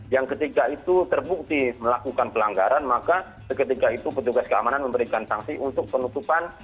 yang ketika itu terbukti melakukan pelanggaran maka ketika itu petugas keamanan memberikan sanksi untuk penutupan